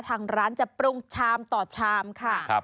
ทางร้านจะปรุงชามต่อชามค่ะ